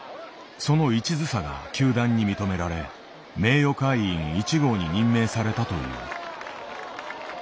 その一途さが球団に認められ名誉会員１号に任命されたという。